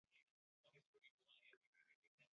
اهلیت د ګمارنې معیار دی